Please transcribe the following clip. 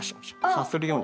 さするように。